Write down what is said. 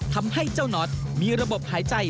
ทำให้เจ้าน็อตมีระบบหายใจ